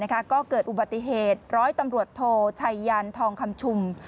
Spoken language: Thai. ก็เกิดอุบัติเหตุร้อยตำรวจโทชัยยันทองคำชุม